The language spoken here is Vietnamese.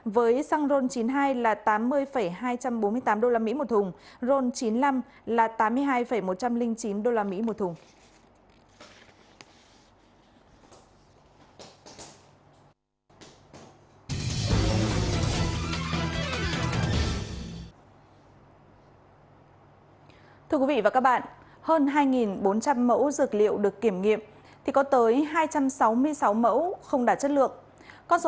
với xăng ron chín mươi hai là tám mươi hai trăm bốn mươi tám đô la mỹ một thùng ron chín mươi năm là tám mươi hai một trăm linh chín đô la mỹ một thùng